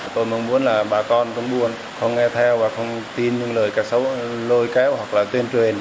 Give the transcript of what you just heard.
tôi mong muốn là bà con cũng buôn không nghe theo và không tin những lời ca xấu lôi kéo hoặc là tuyên truyền